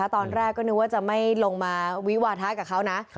ตอนแรกก็นึกว่าจะไม่ลงมาวิวาทะกับเขานะ